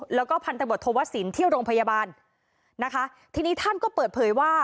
แล้วก็พันธบทโทวสินที่โรงพยาบาลนะคะทีนี้ท่านก็เปิดเผยว่า